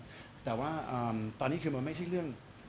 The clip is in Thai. อย่ากันก็เยอะครับแต่ว่าตอนนี้คือมันไม่ใช่เรื่อง